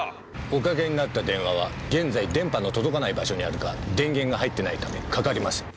おかけになった電話は現在電波の届かない場所にあるか電源が入ってないためかかりません。